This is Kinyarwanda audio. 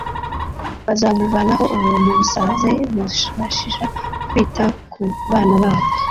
Bazamuvanaho ubuntu busaze, buzababashisha kwita ku bana babo.